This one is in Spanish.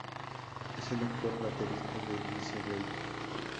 Es el actual baterista de Lucybell.